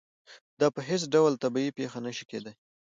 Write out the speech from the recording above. دا په هېڅ ډول طبیعي پېښه نه شي کېدای.